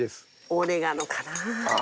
オレガノかなあ。